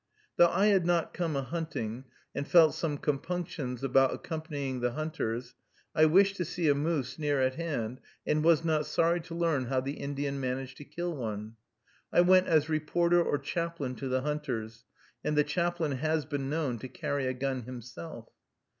Though I had not come a hunting, and felt some compunctions about accompanying the hunters, I wished to see a moose near at hand, and was not sorry to learn how the Indian managed to kill one. I went as reporter or chaplain to the hunters, and the chaplain has been known to carry a gun himself.